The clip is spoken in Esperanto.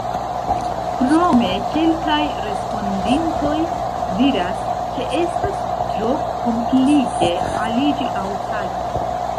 Krome kelkaj respondintoj diras, ke estas tro komplike aliĝi aŭ pagi.